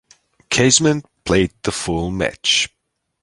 Casement played the full match.